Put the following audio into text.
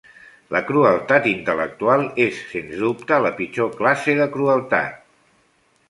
La crueltat intel·lectual és sens dubte la pitjor classe de crueltat.